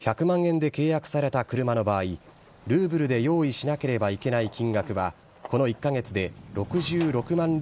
１００万円で契約された車の場合、ルーブルで用意しなければいけない金額は、この１か月で６６万